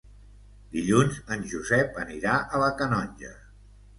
Dilluns en Josep anirà a la Canonja.